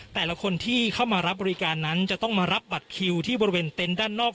แต่ละคนที่เข้ามารับบริการนั้นจะต้องมารับบัตรคิวที่บริเวณเต็นต์ด้านนอก